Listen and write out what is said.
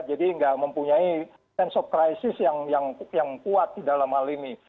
jadi nggak mempunyai sense of crisis yang kuat di dalam hal ini